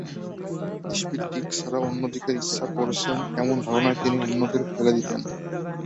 ইস্পিত দিক ছাড়া অন্য দিকের ইচ্ছে করেছেন, এমন ধারণায় তিনি অন্যদের ফেলে দিতেন।